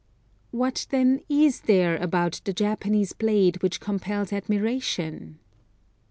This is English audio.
What then is there about the Japanese blade which compels admiration?